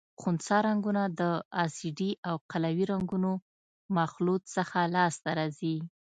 خنثی رنګونه د اسیدي او قلوي رنګونو مخلوط څخه لاس ته راځي.